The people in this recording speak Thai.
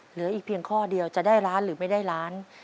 เหลืออีกเพียงข้อเดียวจะได้ล้านหรือไม่ได้ล้าน